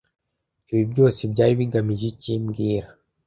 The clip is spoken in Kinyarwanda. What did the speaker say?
Ibi byose byari bigamije iki mbwira